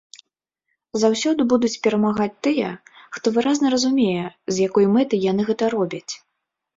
Заўсёды будуць перамагаць тыя, хто выразна разумее, з якой мэтай яны гэта робяць.